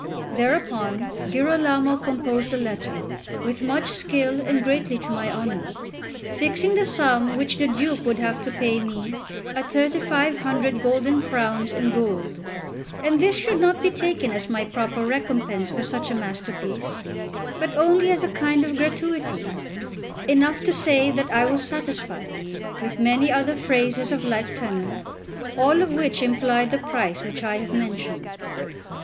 Thereupon Girolamo composed a letter, with much skill and greatly to my honour, fixing the sum which the Duke would have to pay me at 3500 golden crowns in gold; and this should not be taken as my proper recompense for such a masterpiece, but only as a kind of gratuity; enough to say that I was satisfied; with many other phrases of like tenor, all of which implied the price which I have mentioned.